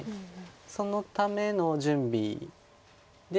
そのための準備でオサエ。